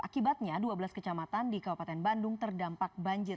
akibatnya dua belas kecamatan di kabupaten bandung terdampak banjir